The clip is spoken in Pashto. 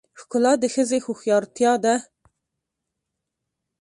ښکلا د ښځې هوښیارتیا ده .